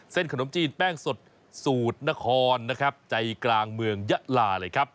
ขนมจีนแป้งสดสูตรนครนะครับใจกลางเมืองยะลาเลยครับ